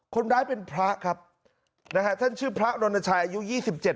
คนร้ายเป็นพระครับท่านชื่อพระรณชัยอายุ๒๗ปี